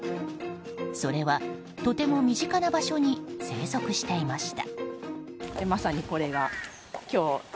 それは、とても身近な場所に生息していました。